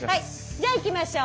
じゃあいきましょう。